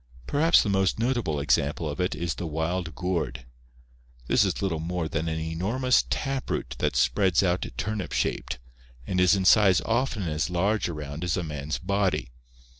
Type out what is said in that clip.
Perhaps the most notable example of it is the wild gourd. This is little more than an enormous tap root that spreads out turnip shaped and is in size often as large around as a man's body.